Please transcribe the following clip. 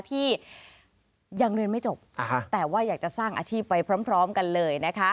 ที่ยังเรียนไม่จบแต่ว่าอยากจะสร้างอาชีพไปพร้อมกันเลยนะคะ